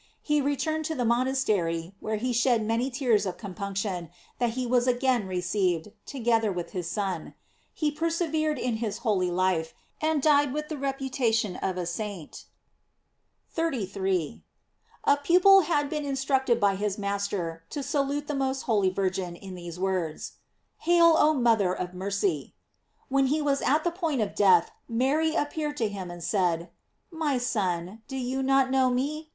He returned to the monastery, where he shed so many tears of compunction that he was again received, to gether with his son. lie persevered in his holy life, and died with the reputation of a saint.* 33. — A pupil had been instructed by his master to salute the most holy Virgin in these words: "Hail, oh mother of mercy." When he was at the point of death Mary appeared to him, and said: "My son, do you not know me